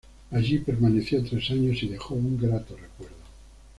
Allí permaneció tres años y dejó un grato recuerdo.